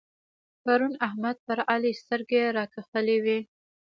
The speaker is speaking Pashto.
پرون احمد پر علي سترګې راکښلې وې.